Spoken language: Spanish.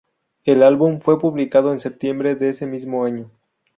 El álbum fue publicado en septiembre de ese mismo año.